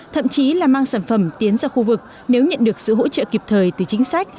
thậm chí là mang sản phẩm tiến ra khu vực nếu nhận được sự hỗ trợ kịp thời từ chính sách